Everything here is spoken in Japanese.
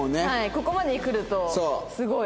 ここまでくるとすごい。